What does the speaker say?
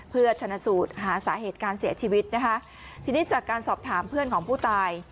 เพื่อชนะสูตรหาสาเหตุการเสียชีวิตนะคะทีนี้จากการสอบถามเพื่อนของผู้ตาย